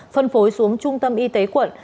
phân phối xuống trung tâm y tế quận